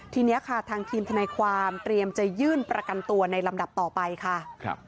ทีนี้ค่ะทางทีมทนายความเตรียมจะยื่นประกันตัวในลำดับต่อไปค่ะ